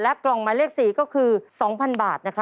กล่องหมายเลข๔ก็คือ๒๐๐๐บาท